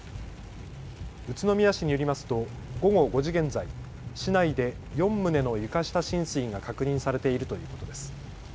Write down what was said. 宇都宮市によりますと午後５時現在、市内で４棟の床下浸水が確認されているということです。